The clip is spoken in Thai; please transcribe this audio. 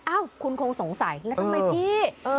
คุณคงสงสัยแล้วทำไมพี่